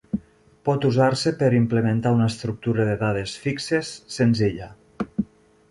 Pot usar-se per implementar una estructura de dades fixes senzilla.